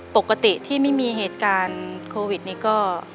ปกติที่ไม่มีเหตุการณ์โควิดนี้ก็